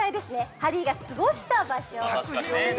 ハリーが過ごした場所です。